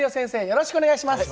よろしくお願いします！